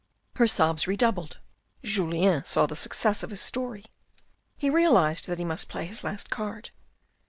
Her sobs redoubled. Julien saw the success of his story. He realised that he must play his last card.